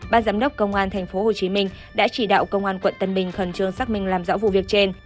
ban giám đốc công an tp hcm đã chỉ đạo công an tp hcm khẩn trương xác minh làm rõ vụ việc trên